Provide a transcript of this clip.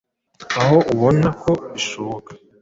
aho ubona ko bishoboka